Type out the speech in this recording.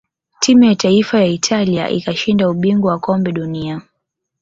timu ya taifa ya italia ikashinda ubingwa wa kombe dunia